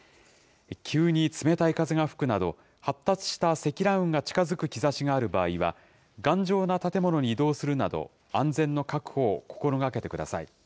急に冷たい風が吹くなど、発達した積乱雲が近づく兆しがある場合は、頑丈な建物に移動するなど、安全の確保を心がけてください。